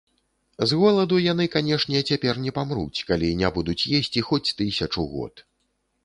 З голаду яны, канешне, цяпер не памруць, калі не будуць есці хоць тысячу год.